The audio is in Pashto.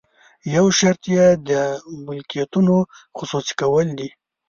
یو شرط یې د ملکیتونو خصوصي کول دي.